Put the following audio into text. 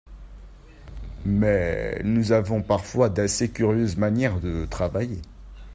Mais nous avons parfois d’assez curieuses manières de travailler.